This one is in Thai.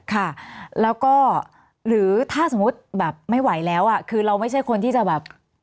ค่ะแล้วก็หรือถ้าสมมุติแบบไม่ไหวแล้วอ่ะคือเราไม่ใช่คนที่จะแบบ